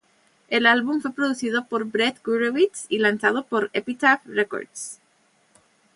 El álbum fue producido por Brett Gurewitz y lanzado por Epitaph Records.